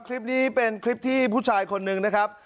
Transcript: คลิปนี้เป็นคลิปที่ผู้ชายคนหนึ่งนะครับ